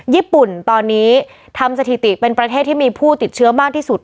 ญี่ปุ่นตอนนี้ทำสถิติเป็นประเทศที่มีผู้ติดเชื้อมากที่สุด